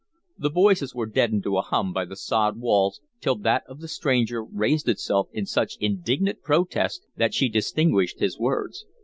The voices were deadened to a hum by the sod walls, till that of the stranger raised itself in such indignant protest that she distinguished his words.